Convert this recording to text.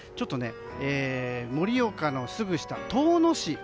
盛岡のすぐ下、遠野市。